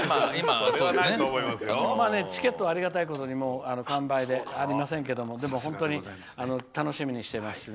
チケットはありがたいことに完売でありませんけどでも本当に、楽しみにしてます。